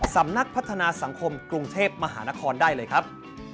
สำนักพัฒนาสังคมกรุงเทพมหานครได้เลยครับ